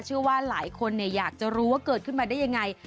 เชื่อว่าหลายคนอยากจะรู้ว่าเกิดขึ้นมาได้ยังไง